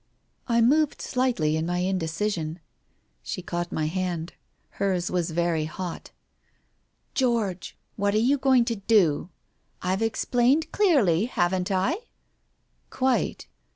I moved slightly in my indecision. She caught my hand. Hers was very hot. "George, what are you going to do? I've explained clearly, haven't I ?" "Quite."